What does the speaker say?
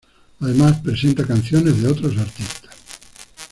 Además presenta canciones de otros artistas.